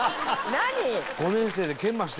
何！？